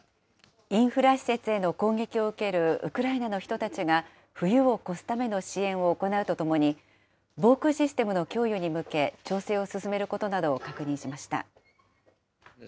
インフラ施設への攻撃を受けるウクライナの人たちが冬を越すための支援を行うとともに、防空システムの供与に向け、調整を進めることなどを確認しました。